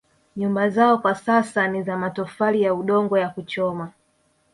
Nyumba zao kwa sasa ni za matofali ya udongo ya kuchoma